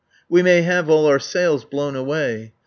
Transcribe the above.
We may have all our sails blown away.